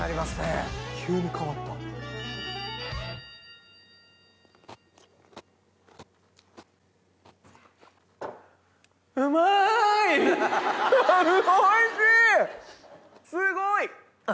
すごい！